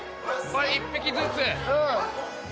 １匹ずつ。